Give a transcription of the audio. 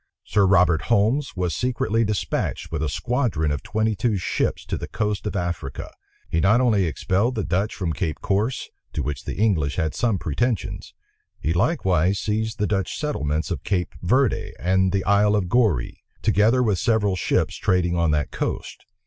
Sir Robert Holmes was secretly despatched with a squadron of twenty two ships to the coast of Africa. He not only expelled the Dutch from Cape Corse, to which the English had some pretensions; he likewise seized the Dutch settlements of Cape Verde and the Isle of Goree, together with several ships trading on that coast.